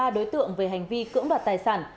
ba đối tượng về hành vi cưỡng đoạt tài sản